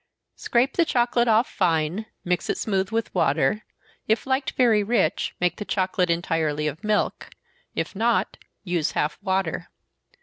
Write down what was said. _ Scrape the chocolate off fine, mix it smooth with water if liked very rich, make the chocolate entirely of milk if not, use half water.